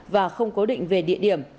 và không cố định về địa điểm